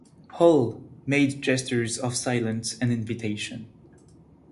Hall made gestures of silence and invitation.